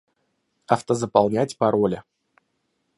Автозаполнять пароли